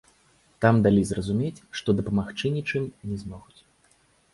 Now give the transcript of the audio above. Там далі зразумець, што дапамагчы нічым не змогуць.